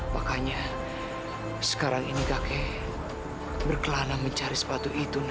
makanya sekarang ini kakek berkelana mencari sepatu itu